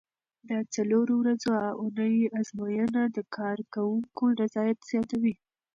د څلورو ورځو اونۍ ازموینه د کارکوونکو رضایت زیاتوي.